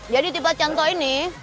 jadi tipat cantok ini